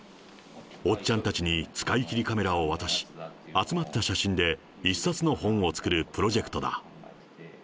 おっちゃんたちに使いきりカメラを渡し、集まった写真で１冊の本を作るプロジェクトだ。